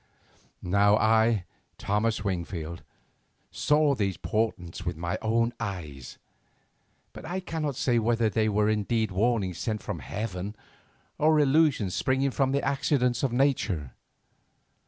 Now I, Thomas Wingfield, saw these portents with my own eyes, but I cannot say whether they were indeed warnings sent from heaven or illusions springing from the accidents of nature.